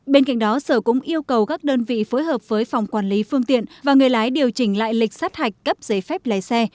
bên cạnh đó sở cũng yêu cầu các đơn vị phối hợp với phòng quản lý phương tiện và người lái điều chỉnh lại lịch sát hạch cấp giấy phép lái xe